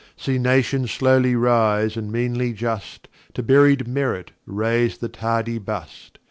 See Nations slowly wise, and meanly just; To buried Merit raise the tardy Bust.